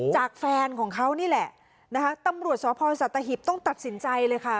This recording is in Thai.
จากแฟนของเขานี่แหละนะคะตำรวจสพสัตหิบต้องตัดสินใจเลยค่ะ